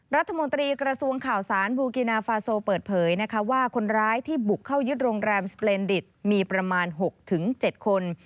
รัฐมนตรีกระทรวงข่าวสารบูกินาฟาโซเปิดเผยนะคะว่าคนร้ายที่บุกเข้ายึดโรงแรมสเปลนดิตมีประมาณ๖๗คน